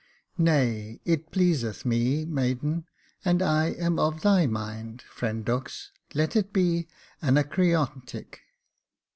" Nay, it pleaseth me, maiden, and I am of thy mind. Friend Dux, let it be Anacreontic."